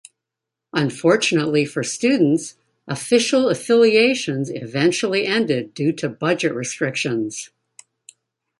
Unfortunately for students, official affiliations eventually ended due to budget restrictions.